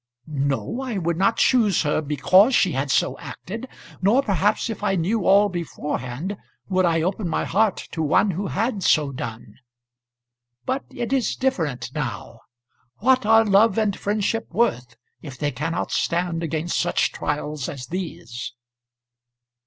"No; I would not choose her because she had so acted; nor perhaps if I knew all beforehand would I open my heart to one who had so done. But it is different now. What are love and friendship worth if they cannot stand against such trials as these?"